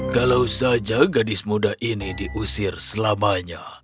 kalau saja gadis muda ini diusir selamanya